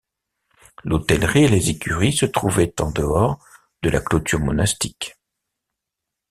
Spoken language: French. L'hôtellerie et les écuries se trouvaient en dehors de la clôture monastique.